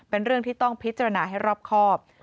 เป็นเรื่องที่ต้องพิจารณาให้รอบครอบ